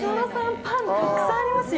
パンがたくさんありますよ。